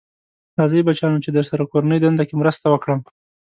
راځی بچیانو چې درسره کورنۍ دنده کې مرسته وکړم.